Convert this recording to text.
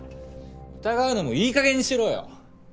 疑うのもいい加減にしろよ！